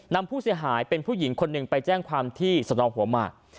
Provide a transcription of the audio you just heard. นำผู้เสียหายเป็นผู้หญิงคนหนึ่งไปแจ้งความที่สนองหัวหมาก